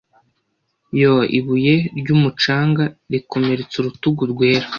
yoo ibuye ryumucanga rikomeretsa urutugu rwera